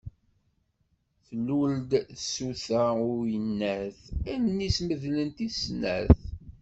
Tlul-d tsuta n uyennat, allen-is medlent i snat.